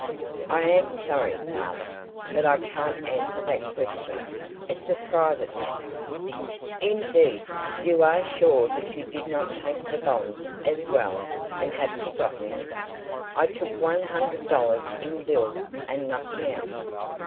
"I am sorry, father, but I can't answer that question. It's a private matter." "Indeed! You are sure that you did not take the bonds as well and have forgotten it?" "I took one hundred dollars in bills and nothing else.